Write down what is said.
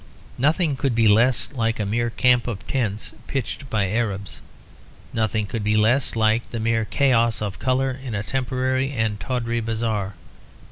Nothing could be less like a mere camp of tents pitched by Arabs. Nothing could be less like the mere chaos of colour in a temporary and tawdry bazaar.